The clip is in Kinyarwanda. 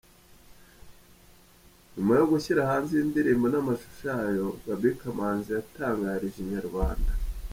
Nyuma yo gushyira hanze iyi ndirimbo n’amashusho yayo, Gaby Kamanzi yatangarije Inyarwanda.